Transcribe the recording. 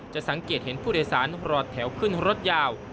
สังเกตเห็นผู้โดยสารรอแถวขึ้นรถยาว